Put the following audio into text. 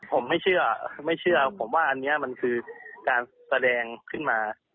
ผมไม่เชื่อไม่เชื่อผมว่าอันนี้มันคือการแสดงขึ้นมา